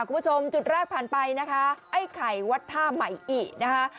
คุณผู้ชมจุดแรกผ่านไปนะคะไอ้ไข่วัดท่าใหม่อินะคะ